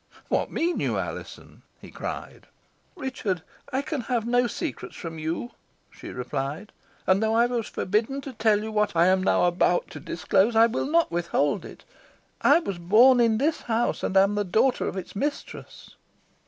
"What mean you, Alizon?" he cried. "Richard, I can have no secrets from you," she replied; "and though I was forbidden to tell you what I am now about to disclose, I will not withhold it. I was born in this house, and am the daughter of its mistress."